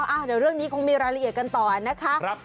เดี๋ยวเรื่องนี้คงมีรายละเอียดกันต่อนะคะ